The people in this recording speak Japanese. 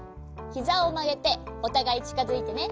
ひざをまげておたがいちかづいてね。